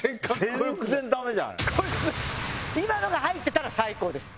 今のが入ってたら最高です。